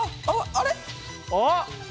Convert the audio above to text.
あっ！